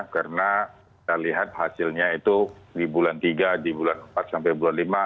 karena kita lihat hasilnya itu di bulan tiga di bulan empat sampai bulan lima